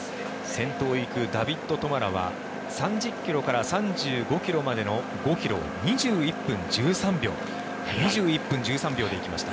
先頭を行くダビッド・トマラは３０ｋｍから３５ｋｍまでの５ｋｍを２１分１３秒で行きました。